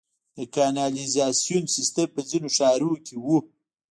د کانالیزاسیون سیستم په ځینو ښارونو کې و